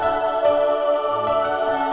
ya sudah ya